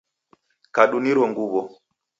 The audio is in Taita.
Kadu niro ng uw'o.